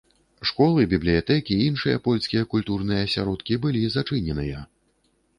Школы, бібліятэкі, іншыя польскія культурныя асяродкі былі зачыненыя.